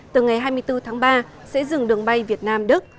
từ ngày hai mươi bốn tháng ba sẽ dừng đường bay việt nam đức